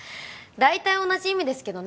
大体同じ意味ですけどね